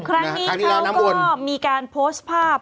ครั้งนี้เขาก็มีการโพสต์ภาพ